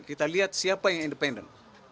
kita lihat siapa yang independen